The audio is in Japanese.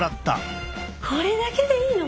これだけでいいの？